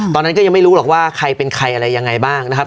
ตอนนั้นก็ยังไม่รู้หรอกว่าใครเป็นใครอะไรยังไงบ้างนะครับ